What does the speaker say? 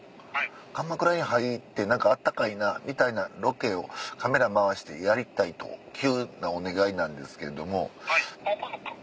かまくらに入って暖かいなみたいなロケをカメラ回してやりたいと急なお願いなんですけれども。